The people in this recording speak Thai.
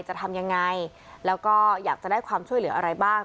จะทำยังไงแล้วก็อยากจะได้ความช่วยเหลืออะไรบ้าง